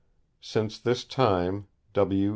Since this time W.